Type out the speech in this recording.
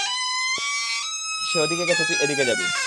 সে ওদিকে গেছে তুই এদিকে যাবি।